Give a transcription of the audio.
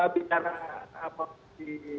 bicara tentang potensi